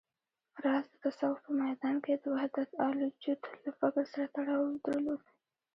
راز د تصوف په ميدان کې د وحدتالوجود له فکر سره تړاو درلود